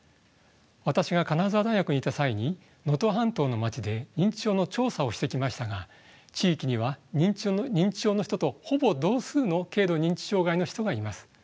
私が金沢大学にいた際に能登半島の町で認知症の調査をしてきましたが地域には認知症の人とほぼ同数の軽度認知障害の人がいます。